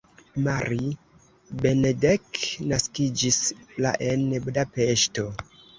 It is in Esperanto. Mari Benedek naskiĝis la en Budapeŝto.